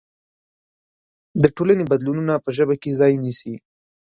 د ټولنې بدلونونه په ژبه کې ځای نيسي.